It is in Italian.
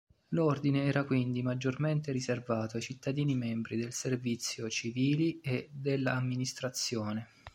L'Ordine era quindi maggiormente riservato ai cittadini membri del servizio civili e dell'amministrazione.